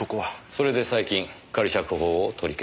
それで最近仮釈放を取り消された。